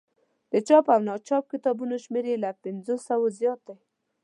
د چاپ او ناچاپ کتابونو شمېر یې له پنځوسو زیات دی.